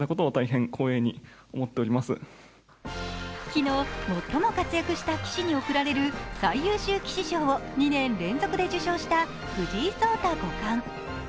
昨日、最も活躍した棋士に贈られる最優秀棋士賞を２年連続で受賞した藤井聡太五冠。